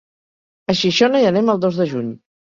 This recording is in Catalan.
A Xixona hi anem el dos de juny.